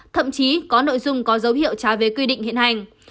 thậm chí có nội dung có dấu hiệu trả về quy định hiện hành